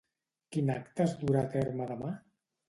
Quin acte es durà terme demà?